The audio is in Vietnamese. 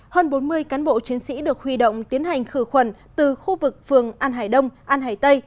hơn bốn mươi cán bộ chiến sĩ được huy động tiến hành khử khuẩn từ khu vực phường an hải đông an hải tây